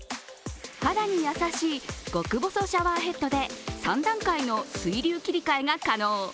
肌に優しい極細シャワーヘッドで３段階の水流切り替えが可能。